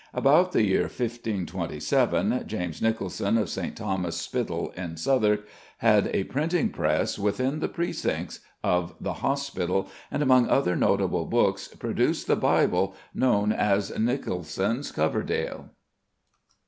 About the year 1527, James Nycolson, of "St. Thomas's Spyttell in Southwark," had a printing press within the precincts of the hospital, and among other notable books produced the Bible known as "Nycolson's Coverdale."